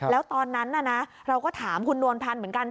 แล้วตอนนั้นน่ะนะเราก็ถามคุณนวลพันธ์เหมือนกัน